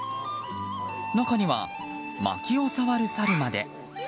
中には、まきを触るサルまで。